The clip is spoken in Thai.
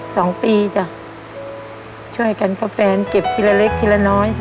สองปีจ้ะช่วยกันกับแฟนเก็บทีละเล็กทีละน้อยจ้